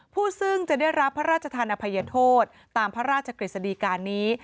ผู้ซึ่งจะได้รับพระราชธานอภัยโทษตามพระราชกฤษฎีการนี้